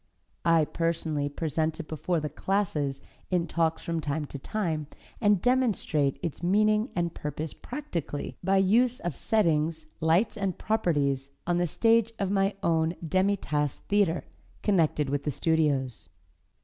I personally present it before the classes in talks from time to time, and demonstrate its meaning and purpose practically, by use of settings, lights and properties on the stage of my own Demi Tasse theatre, connected with the studios.